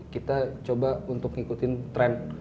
kita coba untuk ngikutin tren